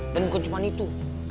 dan bukan cuma itu